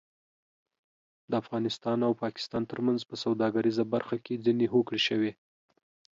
د افغانستان او پاکستان ترمنځ په سوداګریزه برخه کې ځینې هوکړې شوې